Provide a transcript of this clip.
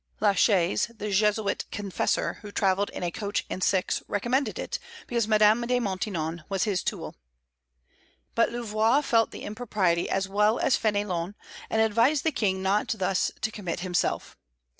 La Chaise, the Jesuit confessor, who travelled in a coach and six, recommended it, because Madame de Maintenon was his tool. But Louvois felt the impropriety as well as Fénelon, and advised the King not thus to commit himself.